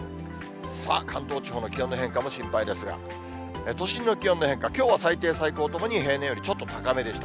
さあ関東地方の気温の変化も心配ですが、都心の気温の変化、きょうは最低、最高ともに、平年よりちょっと高めでした。